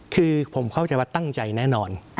คือผมเข้าใจว่าตั้งใจแน่นอน